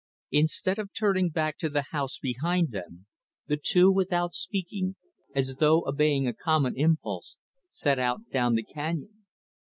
Instead of turning back to the house behind them, the two, without speaking, as though obeying a common impulse, set out down the canyon.